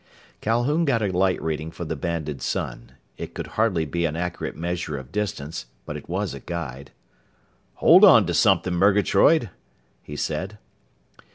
Calhoun got a light reading for the banded sun. It could hardly be an accurate measure of distance, but it was a guide. "Hold on to something, Murgatroyd!" he said.